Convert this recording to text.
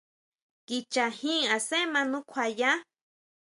Kicha jin asen ʼma nukjuaya.